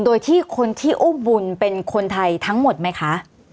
โดยที่คนที่อุ้มบุญเป็นคนไทยทั้งหมดไหมคะ